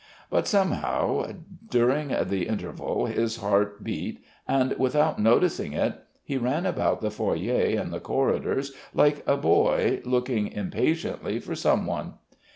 But somehow, dining the intervals his heart beat, and, without noticing it, he ran about the foyer and the corridors like a boy, looking impatiently for someone.